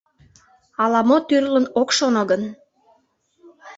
Ала-мо тӱрлын ок шоно гын?..